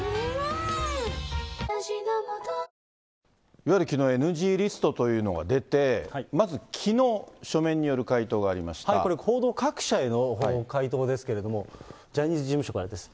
いわゆるきのう、ＮＧリストというのが出て、まずきのう、これ、報道各社への回答ですけれども、ジャニーズ事務所からです。